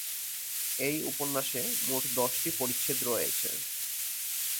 এই উপন্যাসে মোট দশটি পরিচ্ছেদ রয়েছে।